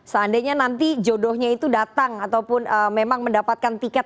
jadi makanya nanti jodohnya itu datang ataupun memang mendapatkan tiket